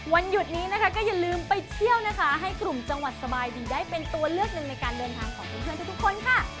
หยุดนี้นะคะก็อย่าลืมไปเที่ยวนะคะให้กลุ่มจังหวัดสบายดีได้เป็นตัวเลือกหนึ่งในการเดินทางของเพื่อนทุกคนค่ะ